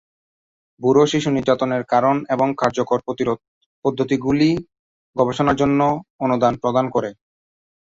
Bureau শিশু নির্যাতনের কারণ এবং কার্যকর প্রতিরোধ পদ্ধতিগুলি গবেষণার জন্য অনুদান প্রদান করে।